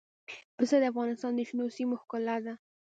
پسه د افغانستان د شنو سیمو ښکلا ده.